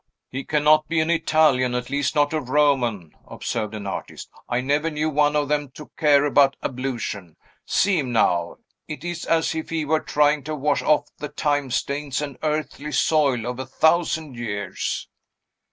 "He cannot be an Italian; at least not a Roman," observed an artist. "I never knew one of them to care about ablution. See him now! It is as if he were trying to wash off' the time stains and earthly soil of a thousand years!"